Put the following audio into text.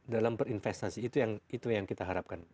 dalam berinvestasi itu yang kita harapkan